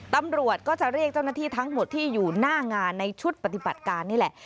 ตำรวจก็จะเรียกเจ้าหน้าที่ทั้งหมดที่อยู่หน้างานในชุดปฏิบัติการนี่แหละ